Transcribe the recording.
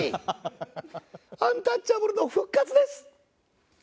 アンタッチャブルの復活です！